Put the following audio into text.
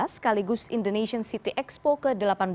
sekaligus indonesian city expo ke delapan belas